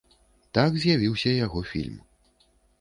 Так з'явіўся яго фільм.